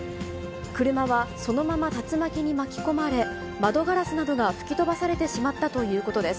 車はそのまま竜巻に巻き込まれ、窓ガラスなどが吹き飛ばされてしまったということです。